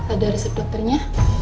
ada resep dokternya